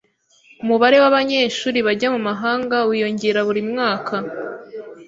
Umubare wabanyeshuri bajya mumahanga wiyongera buri mwaka.